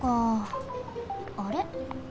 あれ？